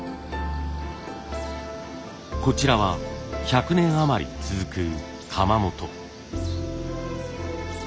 こちらは１００年余り続く窯元。